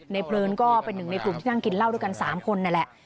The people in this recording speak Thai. เพลินก็เป็นหนึ่งในกลุ่มที่นั่งกินเหล้าด้วยกัน๓คนนั่นแหละ